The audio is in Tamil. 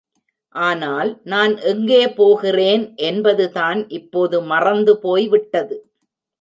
ஆனால், நான் எங்கே போகிறேன் என்பதுதான் இப்போது மறந்துபோய்விட்டது.